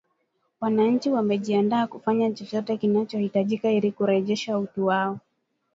wananchi wamejiandaa kufanya chochote kinachohitajika ili kurejesha utu wao.